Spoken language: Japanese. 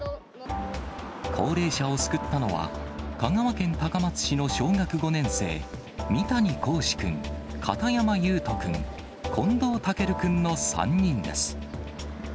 高齢者を救ったのは、香川県高松市の小学５年生、三谷光志君、片山祐人君、近藤健君の３人です。